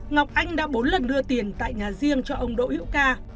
ngọc anh đã bốn lần đưa tiền tại nhà giang cho ông đỗ hiệu ca